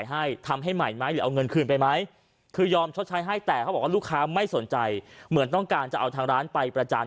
ก็ไอ้ที่มันเผ็ดกว่ากะเพราก็ก็คำของแม่ค้านี่แหละ